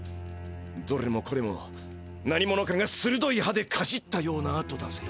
どれもこれも何者かがするどい歯でかじったようなあとだぜ。